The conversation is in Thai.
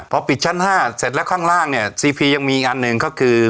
พอปิดชั้น๕เสร็จแล้วข้างล่างเนี่ยซีพียังมีอีกอันหนึ่งก็คือ